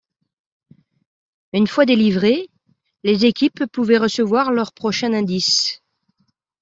Une fois délivrées, les équipes pouvaient recevoir leur prochain indice.